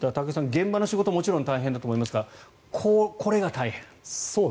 現場の仕事はもちろん大変だと思いますがこれが大変。